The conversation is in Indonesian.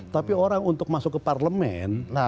tapi orang untuk masuk ke parlemen